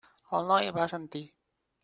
El noi va assentir.